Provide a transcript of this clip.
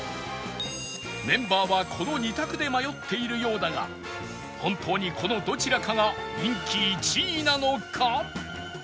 メンバーはこの２択で迷っているようだが本当にこのどちらかが人気１位なのか？